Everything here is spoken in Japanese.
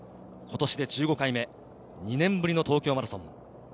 今年で１５回目、２年ぶりの東京マラソン。